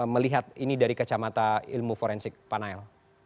melihat ini dari kacamata ilmu forensik pak nael